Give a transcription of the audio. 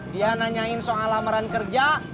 dia nanyain soal lamaran kerja